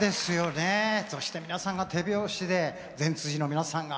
そして、皆さんが手拍子で善通寺市の皆さんが。